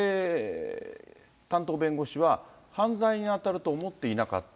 担当弁護士は、犯罪に当たると思っていなかった。